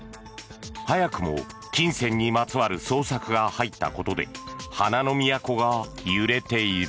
早くも金銭にまつわる捜索が入ったことで花の都が揺れている。